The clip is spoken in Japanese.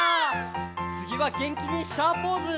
「つぎは元気にシャーポーズ！」